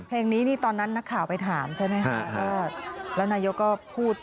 เพลงนี้ตอนนั้นนักข่าวไปถามแหละแล้วนายก็พูด